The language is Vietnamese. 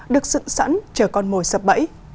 được dựng sẵn chờ con mồi sập bẫy